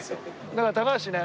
だから高橋ね